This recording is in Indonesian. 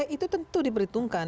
itu tentu diperhitungkan